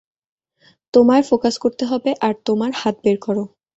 তোমায় ফোকাস করতে হবে আর তোমার হাত বের করো।